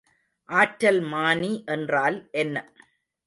ஆற்றல்மானி என்றால் என்ன?